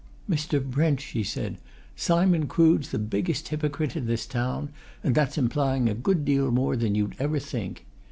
"Mr. Brent," she said, "Simon Crood's the biggest hypocrite in this town and that's implying a good deal more than you'd ever think.